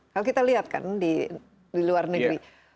kalau kita lihat kan di luar negeri